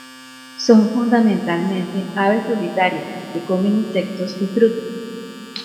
Son fundamentalmente aves solitarias, que comen insectos y frutas.